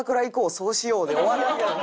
そうしよう」で終わらんやろ。